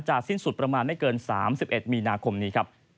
สิ้นสุดประมาณไม่เกิน๓๑มีนาคมนี้ครับ